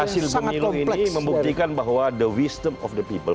hasil pemilu ini membuktikan bahwa the wisdom of the people